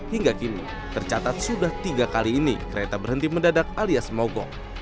hingga kini tercatat sudah tiga kali ini kereta berhenti mendadak alias mogok